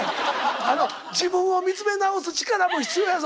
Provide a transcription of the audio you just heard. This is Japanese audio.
自分を見つめ直す力も必要やぞ。